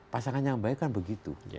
pasangan yang baik kan begitu